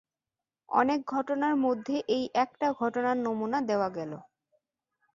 অনেক ঘটনার মধ্যে এই একটা ঘটনার নমুনা দেওয়া গেল।